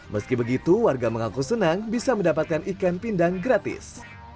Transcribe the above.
meski begitu warga mengaku senang bisa mendapatkan ikan pindang gratis